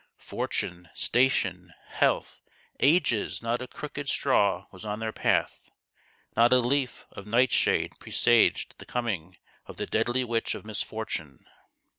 Fortune, station, health, ages not a crooked straw was on their path not a leaf of nightshade presaged the coming of the deadly witch of misfortune.